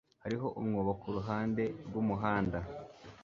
Hariho umwobo kuruhande rwumuhanda.